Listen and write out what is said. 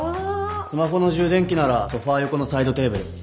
スマホの充電器ならソファ横のサイドテーブル。